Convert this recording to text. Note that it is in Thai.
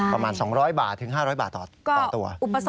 ประมาณ๒๐๐บาทถึง๕๐๐บาทต่อตัว